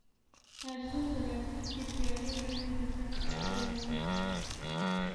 ارزو د راتلونکې خالي ورځې د تګ په اړه وویل.